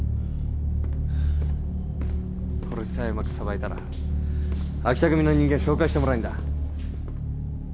これさえうまくさばいたら秋田組の人間紹介してもらえんだ。